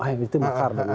ah itu makar